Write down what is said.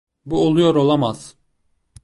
Bu oluyor olamaz!